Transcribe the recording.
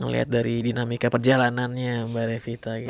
ngelihat dari dinamika perjalanannya mbak revita gitu